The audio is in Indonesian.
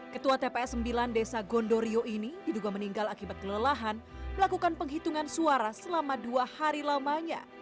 ketua tps sembilan desa gondorio ini diduga meninggal akibat kelelahan melakukan penghitungan suara selama dua hari lamanya